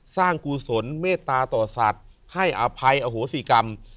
กุศลเมตตาต่อสัตว์ให้อภัยอโหสิกรรม